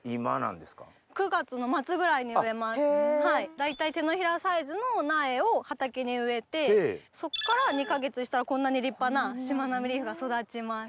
大体手のひらサイズの苗を畑に植えてそっから２か月したらこんなに立派なしまなみリーフが育ちます。